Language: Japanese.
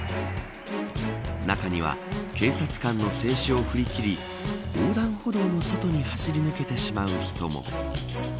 中には警察官の制止を振り切り横断歩道の外に走り抜けてしまう人も。